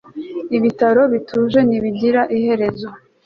Ibitaro bituje ntibigira iherezo